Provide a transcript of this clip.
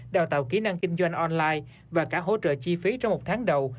đào tạo kỹ năng kinh doanh online và cả hỗ trợ chi phí trong một tháng đầu